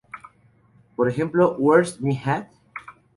Ejemplo: "Where’s me hat?